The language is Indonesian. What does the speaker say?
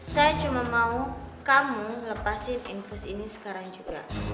saya cuma mau kamu lepasin infus ini sekarang juga